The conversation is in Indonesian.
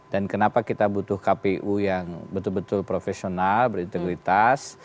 dan kenapa kita butuh kpu yang betul betul profesional berintegritas